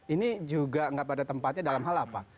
ini juga nggak pada tempatnya dalam hal apa